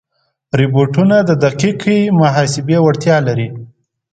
روبوټونه د دقیقو محاسبې وړتیا لري.